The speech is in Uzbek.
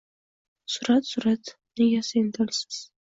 Surat, surat! Nega sen tilsiz?